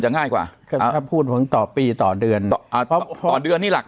ง่ายกว่าครับถ้าพูดผลต่อปีต่อเดือนต่อเดือนนี่หลัก